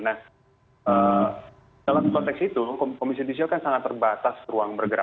nah dalam konteks itu komisi judisial kan sangat terbatas ruang bergerak